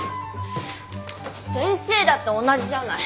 先生だって同じじゃない。